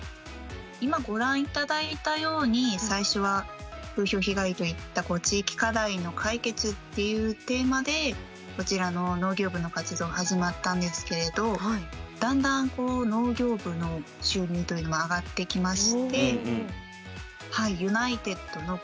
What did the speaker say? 今ご覧いただいたように最初は風評被害といった地域課題の解決っていうテーマでこちらの農業部の活動が始まったんですけれどだんだんでやっているというような状況です。